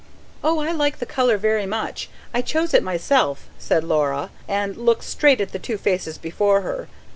"Oh, I like the colour very much. I chose it myself," said Laura, and looked straight at the two faces before her.